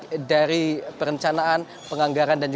dan juga dari perencanaan penganggaran